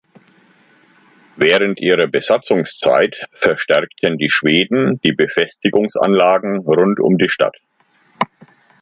Während ihrer Besatzungszeit verstärkten die Schweden die Befestigungsanlagen rund um die Stadt.